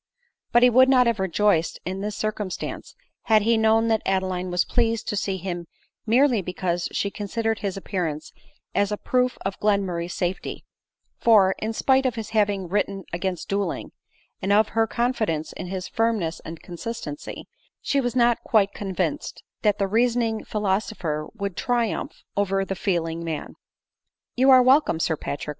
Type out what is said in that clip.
But he would not have rejoiced in this circumstance, had he known that Adeline was pleased to see him mere ly because she considered his appearance as a proof of Glenmurray's safety ; for, in spite of his having written against duelling, and of her confidence in his firmness and consistency, she was not quite convinced that the reasoning philosopher would triumph over the feeling man. " You are welcome, Sir Patrick